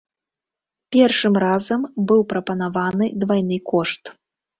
Першым разам быў прапанаваны двайны кошт.